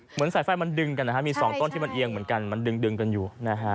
เหมือนสายไฟมันดึงกันนะฮะมี๒ต้นที่มันเอียงเหมือนกันมันดึงกันอยู่นะฮะ